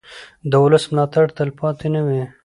د ولس ملاتړ تلپاتې نه وي